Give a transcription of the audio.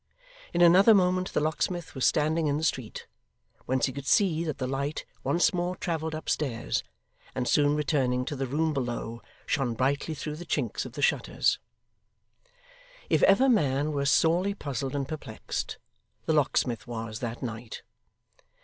In another moment the locksmith was standing in the street, whence he could see that the light once more travelled upstairs, and soon returning to the room below, shone brightly through the chinks of the shutters. If ever man were sorely puzzled and perplexed, the locksmith was, that night.